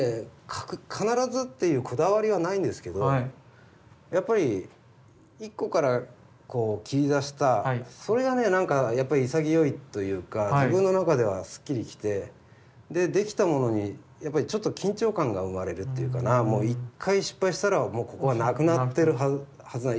必ずっていうこだわりはないんですけどやっぱり一個から切り出したそれがねなんかやっぱり潔いというか自分の中ではすっきりきてで出来たものにやっぱりちょっと緊張感が生まれるっていうかな一回失敗したらここはなくなってるはずだ。